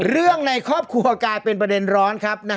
ในครอบครัวกลายเป็นประเด็นร้อนครับ